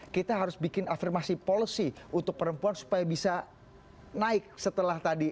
kita harus bikin afirmasi policy untuk perempuan supaya bisa naik setelah tadi